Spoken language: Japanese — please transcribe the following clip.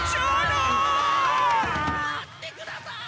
・待ってください！